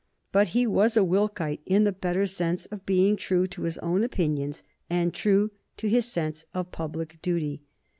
But he was a Wilkite in the better sense of being true to his own opinions and true to his sense of public duty.